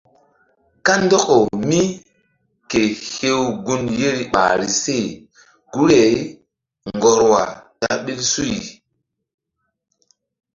Kandɔkaw míke hew gun yeri ɓahri se guri-ay ŋgorwa ta ɓil suy.